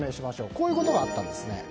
こういうことがあったんです。